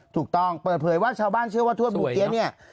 ถูกต้องเปิดเผยว่าชาวบ้านเชื่อว่าทวดบูเกี้ยเนี่ย